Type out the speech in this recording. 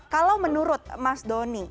kalau menurut mas doni